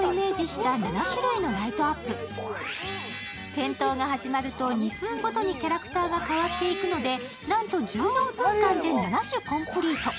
点灯が始まると２分ごとにキャラクターが変わっていくのでなんと１４分間で７種コンプリート。